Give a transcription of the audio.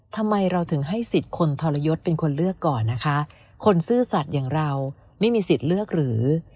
ทำไมเราถึงให้สิทธิ์คนทรยศเป็นคนเลือกก่อนนะคะคนซื่อสัตว์อย่างเราไม่มีสิทธิ์เลือกหรือ